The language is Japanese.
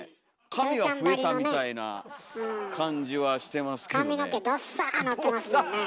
髪が増えたみたいな感じはしてますけどね。